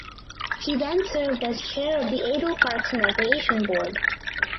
He then served as chair of the Adel Parks and Recreation Board.